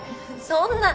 そんな。